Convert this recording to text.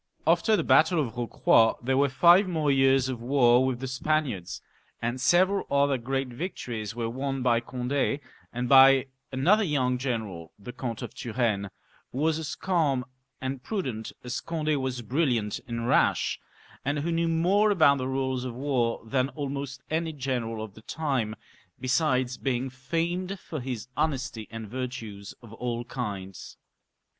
After the battle of Eocroy there were five more years of war with the Spaniards, and several other great vic tories were won by Cond^, and by another young general, the Count of Turenne, who was as calm and prudent as Cond^ was briUiant and rash, and who knew more about the rules of war than almost any general of the time; besides being femed for his honesty, and virtues of all kinds.